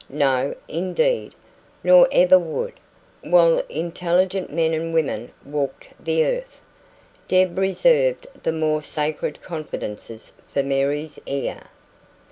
No, indeed, nor ever would, while intelligent men and women walked the earth. Deb reserved the more sacred confidences for Mary's ear.